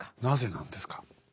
なぜなんですか？